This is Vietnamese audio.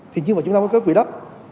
thì chứ mà chúng ta có cái quỹ đất